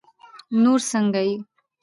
نور سنګه یی